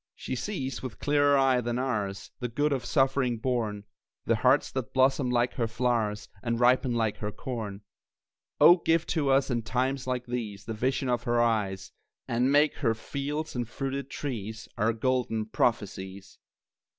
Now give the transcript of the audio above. She sees with clearer eye than ours The good of suffering born, The hearts that blossom like her flowers, And ripen like her corn. Oh, give to us, in times like these, The vision of her eyes; And make her fields and fruited trees Our golden prophecies!